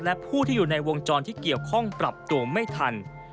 และผู้ที่อยู่ในวงจรที่เกี่ยวข้องปรับตัวไม่ทัน